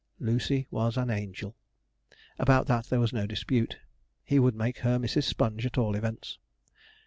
Lucy was an angel! about that there was no dispute. He would make her Mrs. Sponge at all events.